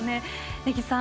根木さん